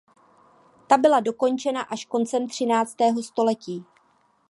Ta byla dokončena až koncem třináctého století.